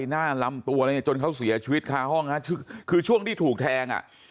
หน้าลำตัวอะไรเนี่ยจนเขาเสียชีวิตคาห้องฮะคือช่วงที่ถูกแทงอ่ะ